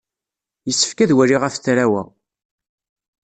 Yessefk ad waliɣ afetraw-a.